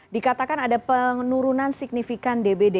dikatakan ada penurunan signifikan dbd